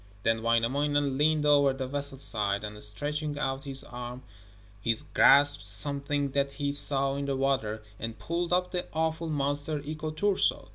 Then Wainamoinen leaned over the vessel's side, and stretching out his arm he grasped something that he saw in the water, and pulled up the awful monster Iko Turso.